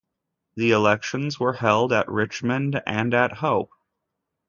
The elections were held at Richmond and at Hope.